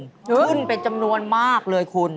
ขึ้นเป็นจำนวนมากเลยคุณ